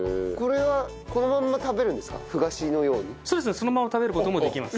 そのまま食べる事もできます。